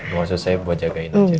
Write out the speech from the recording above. maksud saya buat jagain aja